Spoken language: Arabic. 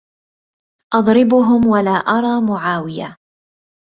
أضربهم ولا أرى معاوية